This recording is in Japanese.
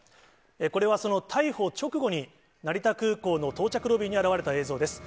これはその逮捕直後に、成田空港の到着ロビーに現れた映像です。